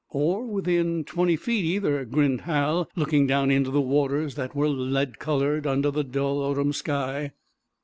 "Or within twenty feet, either," grinned Hal, looking down into the waters that were lead colored under the dull autumn sky.